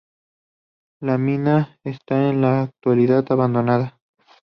La mina está en la actualidad abandonada.